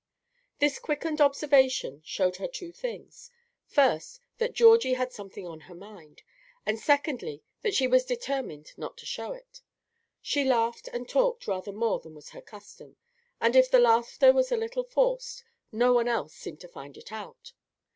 This quickened observation showed her two things: first, that Georgie had something on her mind; and secondly, that she was determined not to show it. She laughed and talked rather more than was her custom; and if the laughter was a little forced, no one else seemed to find it out.